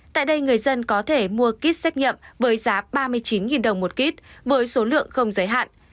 tại đây người dân có thể mua kit xét nghiệm với giá ba mươi chín đồng một kit với số lượng không giới hạn